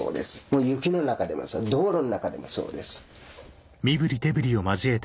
もう雪の中でもそう道路の中でもそうです。